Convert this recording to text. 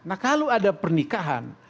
nah kalau ada pernikahan